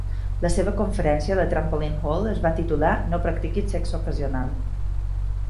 La seva conferència a la Trampoline Hall es va titular "No practiquis sexe ocasional".